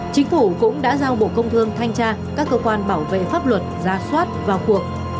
chính phủ cũng đã giao bộ công thương thanh tra các cơ quan bảo vệ pháp luật ra soát vào cuộc